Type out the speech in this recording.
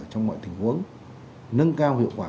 trong mọi tình huống nâng cao hiệu quả